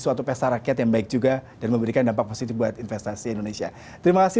suatu pesta rakyat yang baik juga dan memberikan dampak positif buat investasi indonesia terima kasih